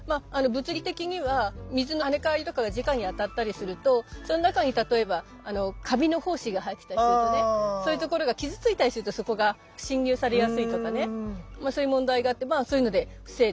物理的には水の跳ね返りとかがじかに当たったりするとその中に例えばカビの胞子が入ってたりするとねそういう所が傷ついたりするとそこが侵入されやすいとかねまあそういう問題があってまあそういうので防いでる。